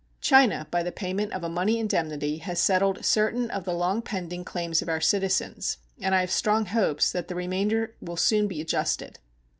China, by the payment of a money indemnity, has settled certain of the long pending claims of our citizens, and I have strong hopes that the remainder will soon be adjusted.